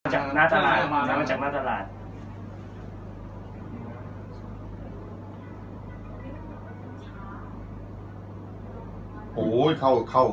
น้ำจากน้ำตาลาด